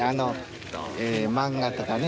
漫画とかね